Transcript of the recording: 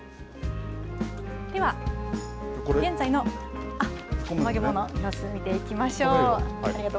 では、現在の様子を見ていきましょう。